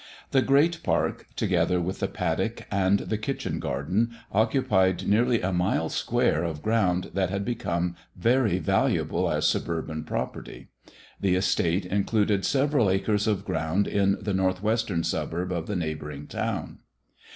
The great park, together with the paddock and the kitchen garden, occupied nearly a mile square of ground that had become very valuable as suburban property. The estate included several acres of ground in the northwestern suburb of the neighboring town.